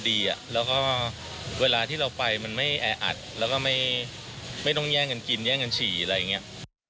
แล้วก็เวลาที่เราไปมันไม่แออัดแล้วก็ไม่ต้องแย่งกันกินแย่งกันฉี่อะไรอย่างนี้